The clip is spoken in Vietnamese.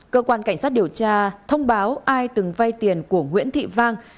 cơ quan cảnh sát điều tra thông báo ai từng vay tiền của nguyễn thị vang